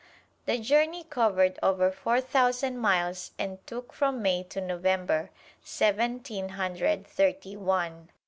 The journey covered over four thousand miles and took from May to November, Seventeen Hundred Thirty one.